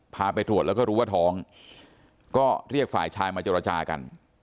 ไปตรวจแล้วก็รู้ว่าท้องก็เรียกฝ่ายชายมาเจรจากัน